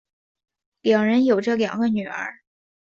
两人有着两个女儿。